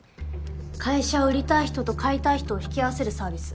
会社を売りたい人と買いたい人を引き合わせるサービス。